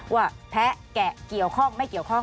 ว่าแพ้แกะเกี่ยวข้องไม่เกี่ยวข้อง